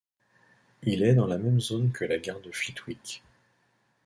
Il est dans la même zone que la gare de Flitwick.